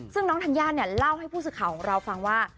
ซึ่งน้องธัญญาเนี่ยเล่าให้ผู้สื่อข่าวของเราฟังว่า